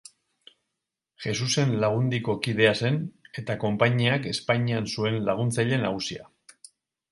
Jesusen Lagundiko kidea zen, eta konpainiak Espainian zuen Laguntzaile Nagusia.